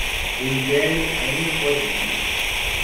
O inverno ainda pode ir